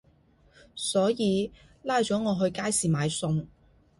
所以拉咗我去街市買餸